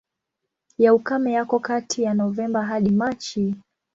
Ya ukame yako kati ya Novemba hadi Machi.